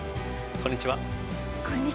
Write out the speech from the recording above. こんにちは。